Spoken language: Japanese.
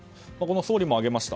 総理も挙げました